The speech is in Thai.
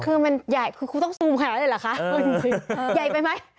คือมันใหญ่คุณต้องซูมขนาดนี้เหรอคะใหญ่ไปไหม